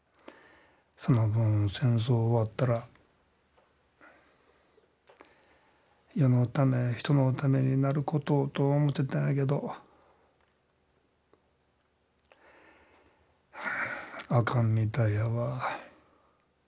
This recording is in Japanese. その分戦争終わったら世のため人のためになることをと思ってたんやけどあかんみたいやわ。